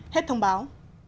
hết thông báo